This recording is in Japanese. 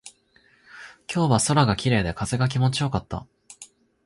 今日は空が綺麗で、風が気持ちよかった。